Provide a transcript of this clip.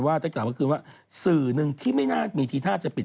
ว่าเจ้าข่าวเมื่อกี้ว่าสื่อหนึ่งที่ไม่น่ามีทีท่าจะปิด